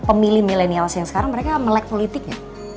pemilih milenials yang sekarang mereka melek politiknya